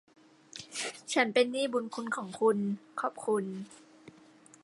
ฉันเป็นหนี้บุณคุณของคุณ ขอบคุณ